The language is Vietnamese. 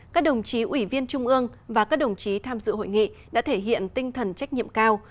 các đồng chí ủy viên trung ương và các đồng chí tham dự hội nghị đã thể hiện tinh thần trách nhiệm cao